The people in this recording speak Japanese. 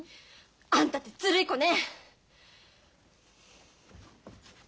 あんたってずるい子ね！